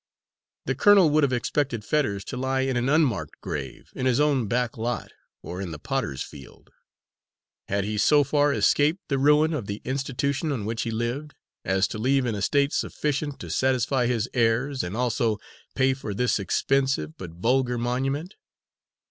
The colonel would have expected Fetters to lie in an unmarked grave in his own back lot, or in the potter's field. Had he so far escaped the ruin of the institution on which he lived, as to leave an estate sufficient to satisfy his heirs and also pay for this expensive but vulgar monument?